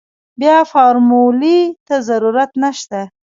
بيا فارمولې ته ضرورت نشته.